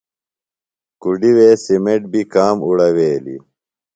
کُڈیۡ وے سِمیٹ بیۡ کام اُوڑویلیۡ۔